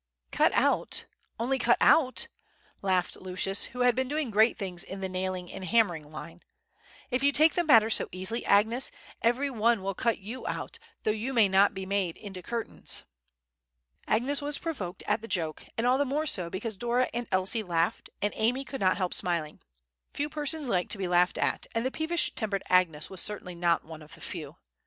"Cut out—only cut out?" laughed Lucius, who had been doing great things in the nailing and hammering line; "if you take the matter so easily, Agnes, every one will cut you out, though you may not be made into curtains!" Agnes was provoked at the joke, and all the more so because Dora and Elsie laughed, and Amy could not help smiling. Few persons like to be laughed at, and the peevish tempered Agnes was certainly not one of the few.